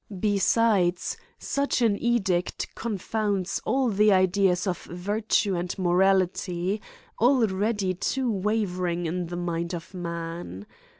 Besides, such an edict confounds ail the ideas of virtue and moraii* ty, already too wavering in the mind of man.